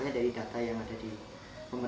nah ketika dia melewati daerah yang odp maupun yang pdp